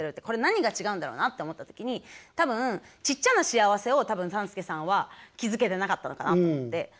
これ何が違うんだろうなって思った時に多分ちっちゃな幸せを多分３助さんは気付けてなかったのかなと思って。